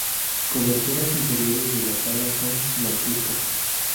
Cobertoras inferiores de las alas son blancuzcas.